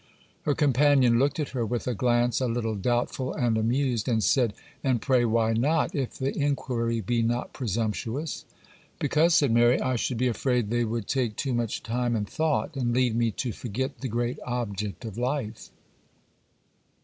Her companion looked at her with a glance a little doubtful and amused, and said— 'And pray, why not, if the inquiry be not presumptuous?' 'Because,' said Mary, 'I should be afraid they would take too much time and thought, and lead me to forget the great object of life.